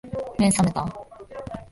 目、さめた？